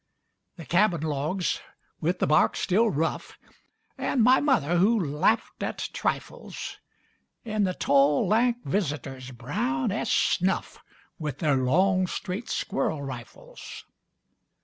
The cabin logs, with the bark still rough, And my mother who laughed at trifles, And the tall, lank visitors, brown as snuff, With their long, straight squirrel rifles.